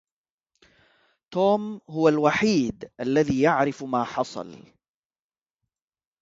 توم هو الوحيد الذي يعرف ما حصل.